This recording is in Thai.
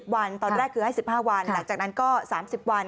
วันตอนแรกคือให้๑๕วันหลังจากนั้นก็๓๐วัน